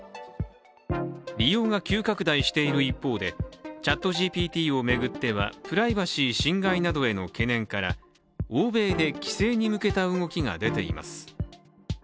利用が急拡大している一方でＣｈａｔＧＰＴを巡ってはプライバシー侵害などへの懸念から欧米で規制に向けた動きが出ています。